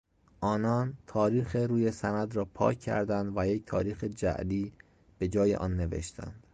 آنان تاریخ روی سند راپاک کردند و یک تاریخ جعلی به جای آن نوشتند.